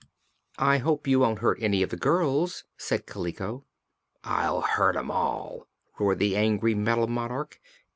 "I hope you won't hurt any of the girls," said Kaliko. "I'll hurt 'em all!" roared the angry Metal Monarch.